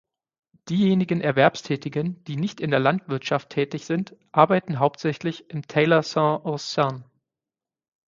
Diejenigen Erwerbstätigen, die nicht in der Landwirtschaft tätig sind, arbeiten hauptsächlich im Talort Saint-Ursanne.